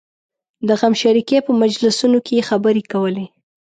د غمشریکۍ په مجلسونو کې یې خبرې کولې.